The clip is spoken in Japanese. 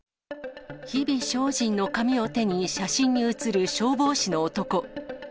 日々精進の紙を手に、写真に写る消防士の男。